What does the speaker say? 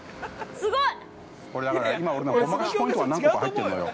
◆すごい！